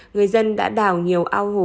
người dân đã đào nhiều ao hồ